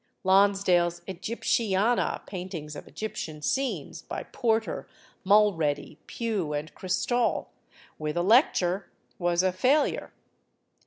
Lonsdale's "Egyptiana" (paintings of Egyptian scenes, by Porter, Mulready, Pugh, and Cristall), with a lecture, was a failure.